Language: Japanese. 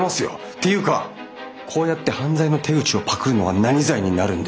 っていうかこうやって犯罪の手口をパクるのは何罪になるんでしょうか？